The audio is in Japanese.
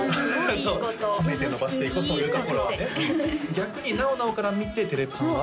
逆になおなおから見ててれぱんは？